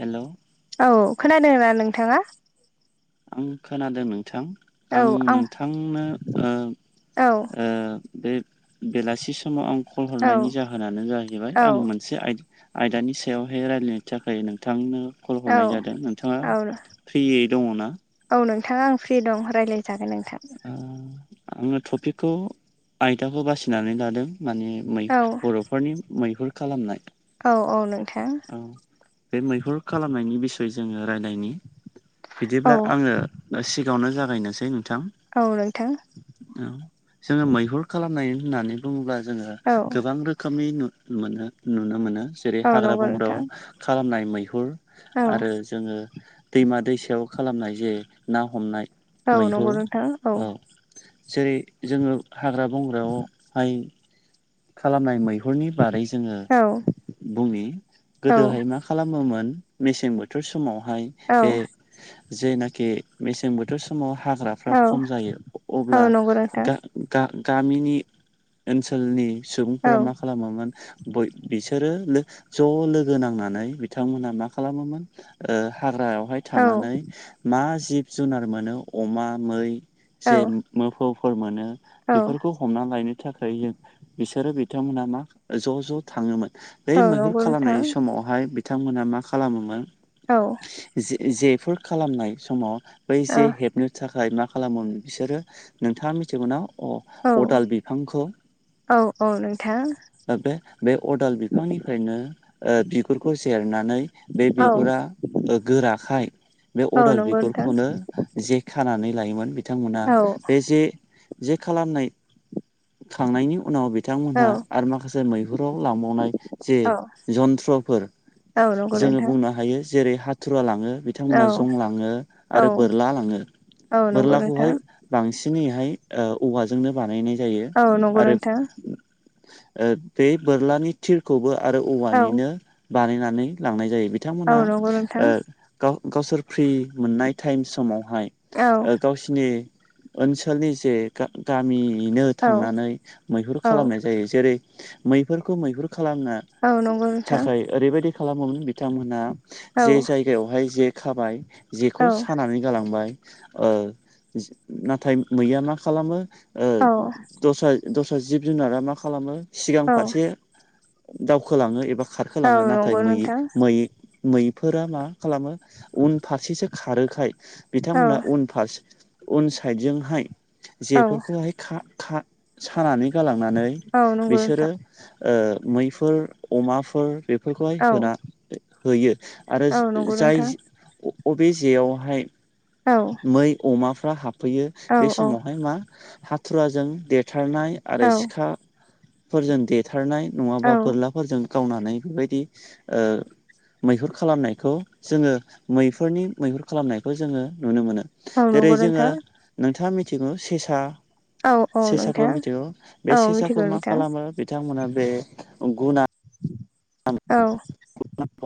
Hello औ खोनादों ना नोंथाङा? आं खोनादों नोंथां आं नोंथांनो ओ औ ओ बे बेलासि समाव आं कल औ हरनायनि जाहोनानो जाहैबाय औ आं मोनसे आइ आयदानि सायावहाय रायलायनो थाखाय नोंथांनो कल औ हरनाय जादों नोंथाङा औ फ्रियै दङ ना? औ नोंथाङा आं फ्रि दं रायज्लायजागोन नोंथां। आङो टपिकखौ आयदाखौ बासिनानै लादों। मानेै औ बर'फोरनि मैहुर खालामनाय। औ औ नोंथां। औ बे मैहुर खालामनायनि बिसय जोङो रायनायनि औ बिदिब्ला आङो। सिगाङावनो जागायनोसै नोंथां। औ नोंथां। औ जोङो मैहुर खालामनाय होननानै बुङोब्ला जोङो औ गोबां रोखोमनि। मोनो नुनो मोनो जेरै औ हाग्रा नंगौ बंग्रायाव नोंथां खालामनाय मैहुर औ आरो जोङो। दैमा दैसायाव खालामनाय जे ना हमनाय औ नंगौ मैहुर नोंथां औ। जेरै जोङो हाग्रा बंग्रायावहाय खालामनाय मैहुरनि बारै जोङो औ बुंनि औ गोदोहाय मा? खालामोमोन मेसें बोथोर समावहाय औ बे जेनाखि मेसें बोथोर समाव हाग्राफ्रा औ खम जायो औ अब्ला। नंगौ नोंथां गामिनि ओनसोलनि औ सुबुंफोरा मा खालामोमोन। बिसोरो ज' लोगो नांनानै बिथांमोनहा मा खालामोमोन। हाग्रायावहाय औ थांनानै मा जिब जुनार मोनो अमा मै औ जे मोफौफोर मोनो औ बेफोरखौ हमना लायनो थाखाय जों। बिसोरो बिथांमोनहा मा ज' ज' थाङोमोन बै औ मैहुर नंगौ नोंथां खालामनाय समावहाय। बिथांमोनहा मा खालामोमोन। औ जेफोर खालामनाय समाव बै औ जे हे बिनि थाखाय मा खालामोम बिसोरो नोंथाङा मिथिगौाव औ अदाल बिफांखौ। औ औ नोंथां। दा बे बे अदाल बिफांनिफ्रायनो बिगुरखौ जेरनानै बे औ बिगुरा गोराखाय बे औ अदाल नंगौ नोंथां बिगुरखौनो जे खानानै लायोमोन बिथांमोना औ बे जे जे खालामनाय खांनायनि उनाव बे औ बिथांमोनहा आरो माखासे मैहुराव लांबावनाय जे औ जन्थ्रफोर औ नंगौ जोङो नोंथां बुंनो हायो जेरै हाथुरा लाङो। औ बिथांमोनहा जं लाङो औ आरो बोरला लाङो औ नंगौ नोंथां बोरलाखौहाय। बांसिनैहाय औवाजोंनो बानायनाय जायो औ आरो। [inaudible] बे बोरलानि थिरखौबो आरो औ औवानिनो बानायनानै लांनाय जायो। औ बिथांमोना नंगौ नोंथां ग गावसोर फ्रि मोननाय टाइम समावहाय औ गावसिनि ओनसोलनि जे गामिैनो औ थांनानै मैहुर औ खालामनाय जायो जेरै मैफोरखौ मैहुर खालामना। औ नंगौ नोंथां थाखाय ओरैबायदि खालामोमोन बिथांमोनहा औ जे जाय जगायावहाय जे खाबाय जेखौ औ सानानै। जालांबाय नाथाय मैया मा खालामो औ दस्रा दस्रा जिब जुनारा मा खालामो सिगां औ फारसे। दावखोलाङो एबा औ खारखोलाङो नाथाय नंगौ मैय नोंथां मै मैफोरा मा खालामो उनफारसेसो खारोखाय औ बिथांमोनहा उनफारसे। उन साइदजोंहाय औ जेफोरखौहाय सानानै। गालांनानै औ नंगौ बिसोरो नोंथां मैफोर अमाफोर। बेफोरखौहाय औ होना होयो आरो औ नंगौ जाय नोंथां बबे जेयावहाय औ मै अमाफ्रा हाबफैयो औ बे औ समावहाय मा हाथुराजों देरथारनाय आरो औ सिखाफोरजों देथारनाय औ नङाबा बोरला फोरजों गावनानै बेबायदि मैहुर खालामनायखौ जोङो मैहुरनि मैहुर खालामनायखौ जोङो नुनो मोनो। औ नंगौ जेरै जोङो नोंथां नोंथाङा मिथिगौ सेसा औ औ सेसाखौ नोंथां मिथिगौ बे औ मिथिगौ सेसाखौ मा नोंथां खालामो बिथांमोना बे गुना औ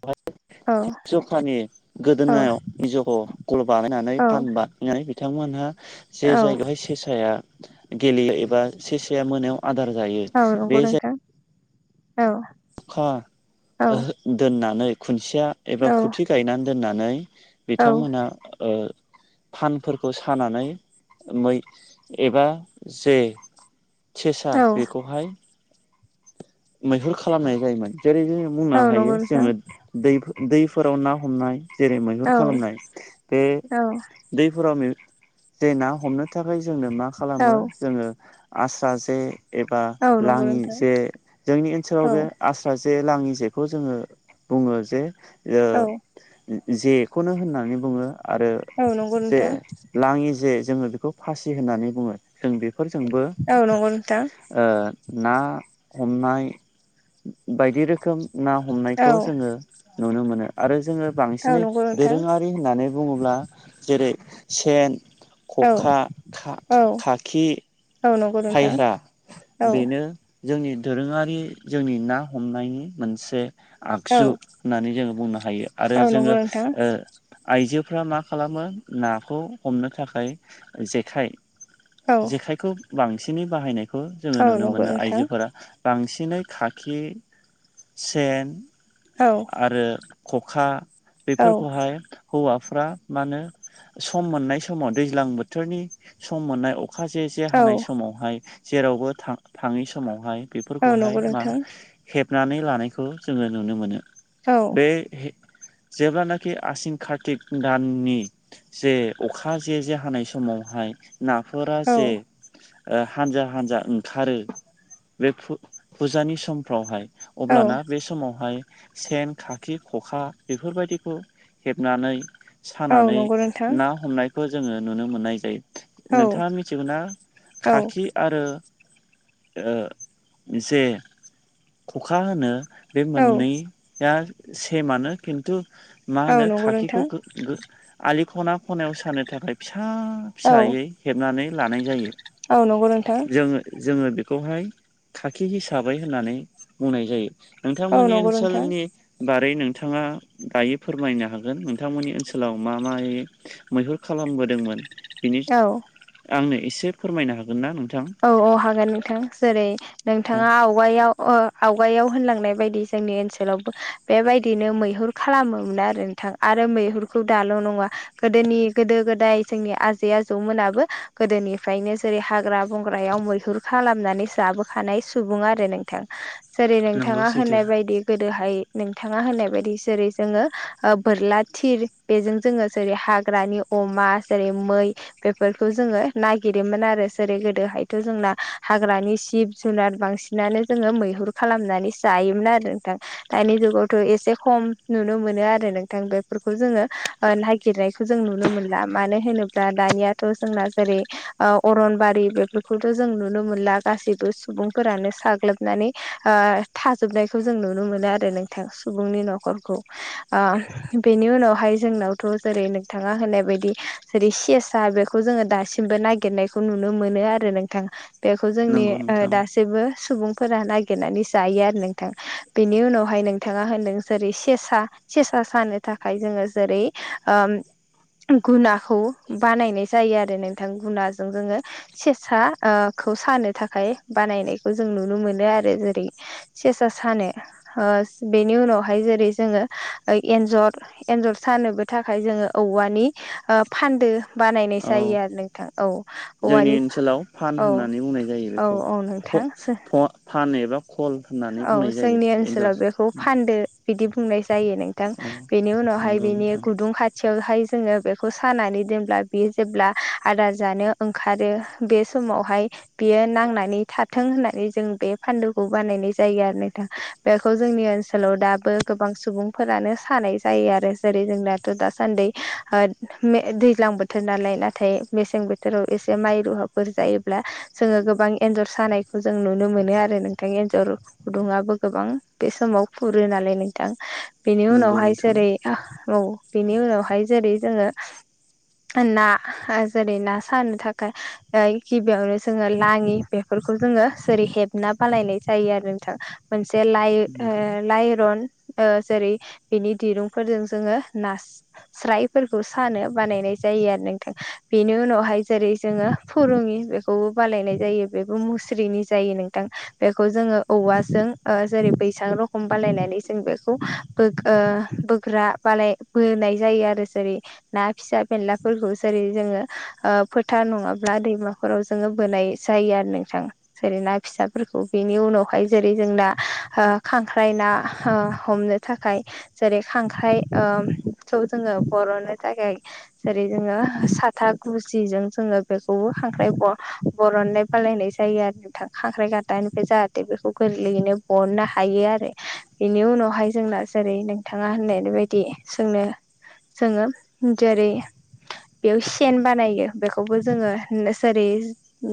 बेहाय औ थ जखानि औ गोदोनायाव निजखौ गल बानायनानै औ फानबा नानै बिथांमोनहा जे औ जायगायावहाय सेसाया गेलेयो एबा सेसाया मोनायाव आदार जायो औ नंगौ बे जाय नोंथां औ अखा औ दोननानै खुन्सेया एबा औ खुथि गायनानै दोननानै औ बिथांमोनहा ओ फानफोरखौ सानानै मै एबा जे सेसा बेखौहाय मैहुर खालामनाय जायोमोन जेरै जो बुंनो औ हायो नंगौ नोंथां जोङो दै दैफोराव ना हमनाय जेरै मैहुर औ खालामनाय बे औ दैफोराव जे ना हमनो थाखाय जोंनो मा औ खालामो जोङो आस्रा जे एबा औ नंगौ लाङि नोंथां जे जोंनि ओनसोलाव औ बे आस्रा जे लाङि जेखौ जोङो बुङो जे ओ औ जेखौनो होननानै बुङो आरो औ नंगौ जे नोंथां लाङि जे जोङो बेखौ फासि होननानै बुङो जों बेफोरजोंबो औ नंगौ नोंथां ना हमनाय बायदि रोखोम ना औ हमनायखौ जोङो नुनो मोनो आरो जोङो औ बांसिनै नंगौ नोंथां दोरोङारि होननानै बुङोब्ला जेरै सेन औ खखा औ खाखि औ नंगौ नोंथां फायह्रा औ बेनो जोंनि दोरोङारि जोंनि ना हमनायनि मोनसे औ आगजु होननानै जोङो बुंनो हायो आरो औ नंगौ जोङो नोंथां ओ आइजोफ्रा मा खालामो नाखौ हमनो थाखाय जेखाइ औ जेखायखौ बांसिनै बाहायनायखौ जोङो औ नुनो नंगौ मोनो नोंथां आइजोफोरा बांसिनै खाखि सेन औ आरो खखा औ बेफोरखौहाय हौवाफ्रा मा होनो सम मोननाय समाव दैज्लां बोथोरनि सम मोननाय अखा जे जे जसे औ हानाय समावहाय जेरावबो थाङै समावहाय औ बेफोरखौहाय नंगौ मा नोंथां हेबनानै लानायखौ जोङो नुनो मोनो। बे औ जेब्लानाखि आसिन कार्तिक दाननि जे अखा जे जे हानाय समावहाय नाफोरा औ जे हानजा हानजा ओंखारो बे फुजानि समफ्रावहाय अब्लाना औ बे समावहाय सेन खाखि ख'खा बेफोरबायदिखौ हेबनानै औ सानानै नंगौ नोंथां ना हमनायखौ जोङो नुनो मोननाय जायो। औ नोंथाङा मिथिगौ खाखि औ आरो जे खखा होनो बे औ मोननैया सेमानो खिन्थु मा औ होनो नंगौ नोंथां खाखिखौ आलि खना खनायाव सानो थाखाय फिसा फिसायै औ हेबनानै लानाय जायो। औ नंगौ नोंथां। जोङ जोङो बेखौहाय खाखि हिसाबै होननानै बुंनाय जायो। औ नोंथांमोननि नंगौ नोंथां ओनसोलनि बारै नोंथाङा दायो फोरमायनो हागोन नोंथांमोननि ओनसोलाव मा मायै। मैहुर खालामबोदोंमोन बेनि औ आंनो एसे फोरमायनो हागोन ना नोंथां। औ औ हागोन नोंथां जेरै नोंथाङा आवगायाव आवगायाव होनलांनाय बायदि जोंनि ओनसोलावबो बेबायदिनो मैहुर। खालामोमोन आरो नोंथां आरो मैहुरखौ दाल' नङा गोदोनि गोदो गोदाय जोंनि आ। ज आ जौमोनाबो गोदोनिफ्रायनो जेरै हाग्रा। बंग्रायाव मैहुर खालामनानै जाबोखानाय सुबुं आरो नोंथां। जेरै नंगौ नोंथाङा सैथो होननाय बायदि गोदोहाय। नोंथाङा होननाय बायदि जेरै जोङो बोरला थिर बेजों जोङो जेरै हाग्रानि। अमा जेरै मै बेफोरखौ जोङो नागिरोमोन आरो जेरै गोद हायथ' जोंना हाग्रानि सिब जुनार बांसिनानो जोङो मैहुर खालामनानै। जायोमोन आरो नोंथां। दानि जुगावथ' एसे खम नुनो मोनो आरो नोंथां बेफोरखौ जोङो। नागिरनायखौ जों नुनो मोनला मानो होनोब्ला दानियाथ' जोंना जेरै। आ अरनबारि बे बेखौथ' जों नुनो मोनला गासैबो सुबुंफोरानो साग्लोबनानै। थाजोबनायखौ जों नुनो मोनो आरो नोंथां सुबुंनि न'खरखौ। बेनि उनावहाय जोंनावथ' जेरै नोंथाङा होनाय बायदि। जेरै सेसा बेखौ जोङो दासिमबो नागिरनायखौ नुनो मोनो आरो। नोंथां बेखौ जोंनि नंगौ नोंथां दासिम। जेबो सुबुंफोरा नागिरनानै जायो आरो नोंथाङा बेनि उनावहाय नोंथाङा होनदों जेरै सेसा। सेसा सानो थाखाय जोङो जेरै गुनाखौ बानायनाय जायो आरो नोंथां गुनाजों जोङो से सा खौ सानो थाखाय बानायनायखौ जों नुनो मोनो आरो जेरै सेसा सानो बेनि उनावहाय जेरै जोङो एन्जर। एन्जर सानोबो थाखाय जोङो औवानि फानदो। बानायनाय औ जायो आरो नोंथां औ जोंनि औवानि। ओनसोलाव फान औ होननानै बुंनाय जायो औ औ नोंथां बेखौ फान एबा खल होननानै औ बुंनाय जायो जोंनि एन्जर ओनसोलाव बेखौ फानदो बिदि बुंनाय जायो नोंथां अ बेनि उनावहाय नंगौ बिनि नोंथां गुदुं खा खाथियावहाय जोङो बेखौ सानानै दोनब्ला बियो जेब्ला आदार जानो ओंखारो। बे समावहाय बियो नांनानै थाथों होननानै जों बे फान्दुखौ बानायनाय। जायो आरो नथां बेखौ जोंनि ओनसोलाव दाबो गोबां सुबुंफोरानो सानाय जायो आरो जेरै जोंना ' दासान्दि दैज्लां बोथोर नालाय नाथाय मेसें बोथोराव एसे माइ रुहाब फोर जायोब्ला जोङो गोबां एन्जर सानायखौ जों नुनो मोनो आरो नोंथां एन्जर। गुदुङाबो गोबां बे समाव खुरो नालाय नोंथां बेनि नंगौ उनावहाय नोंथां जेरै मावो बेनि उनावहाय जेरै जोङो। ना जेरै ना सारनो थाखाय गिबियावनो जोङो लाङि बेफोरखौ जोङो जेरै हेबना बालायनाय जायो आरो। मोनसे ला नंगौ लाइरन। जेरै बिनि दिरुंफोरजों जोङो नास स्रायफोरखौ सानो बानायनाय जायो आरो नोंथां बेनि उनावहाय जेरै जोङो फुरुङि बेखौ। खौबो बालायनाय जायो बेबो मुस्रिनि जायो नोंथां बेखौ जोङो। औवाजों जेरै बैसां रखम बालायनानै जों बेखौ बोग्रा बालाय। होनाय जायो आरो जेरै ना फिसा बेनलाफोरखौ जेरै जोङो। फोथा नङाब्ला दैमाफोराव जोङो बोनाय जायो आरो नोंथाङा। सेरै ना फिसाफोरखौ बिनि उनाव फाय जेरै जों ना ओ खांख्राइ ना हमनो थाखाय जेरै खांख्राइ ओ थ जोङो बर'नो थाखाय जेरै जोङो साथा गुजिजों जोङो बेखौबो खांख्राय ब बरननाय बानायनाय जायो आरो नोंथां खांख्राइ गादानिफ्राय जाहाथे बेखौ गोरलैयैनो बरननो हायो आरो बेनि उनावहाय जोंना जेरै नोंथाङा होननाय बेबायदि सोंनो जोङो जेरै बेयाव सेन बानायो बेखौबो जोङो नो जेरै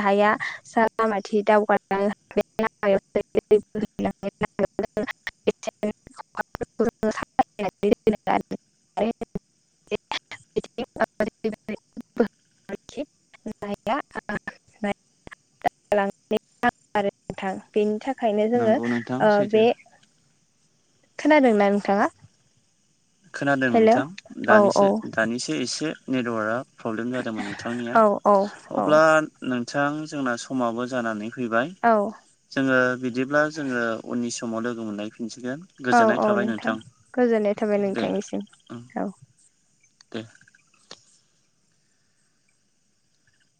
लाया साहा माथि दावगानो [unintelligible] [unintelligible] [unintelligible] [unintelligible] थां बेनि थाखायनो जोङो नंगौ नोंथां ओ सैथो बे खोनादों ना नोंथाङा खोनादों हेलौ नोंथां औ दानिसो औ दानिसो एसे नेटवार्कआ प्रब्लेम जादोंमोन नोंथांनिया औ औ औ अब्ला नोंथां जोंना समाबो जानानै फैबाय औ जोङो बिदिब्ला जोङो उननि समाव लोगो मोनलायफिनसिगोन औ गोजोननाय औ थाबाय नोंथां गोजोननाय थाबाय दे नोंथांनिसिम उम औ दे